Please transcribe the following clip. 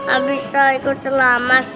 abis itu ikut selama sih